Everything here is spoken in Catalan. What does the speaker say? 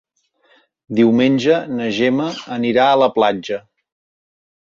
Diumenge na Gemma anirà a la platja.